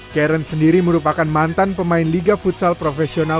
karen sendiri merupakan mantan pemain liga futsal profesional